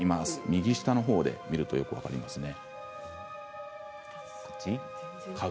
右下の写真で見るとよく分かりますね。